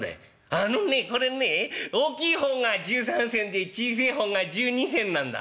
「あのねこれねえ大きい方が１３銭で小せえ方が１２銭なんだ」。